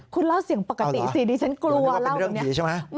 คุณเล่าเสียงปกติสิดีฉันกลัวเล่าอย่างนี้